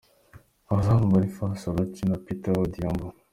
Abazamu: Boniface Oluoch and Peter Odhiambo,.